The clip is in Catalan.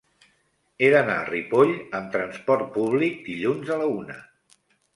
He d'anar a Ripoll amb trasport públic dilluns a la una.